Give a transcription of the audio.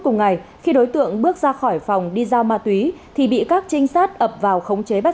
cùng ngày khi đối tượng bước ra khỏi phòng đi giao ma túy thì bị các trinh sát ập vào khống chế bắt